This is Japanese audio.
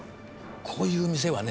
こういう店はね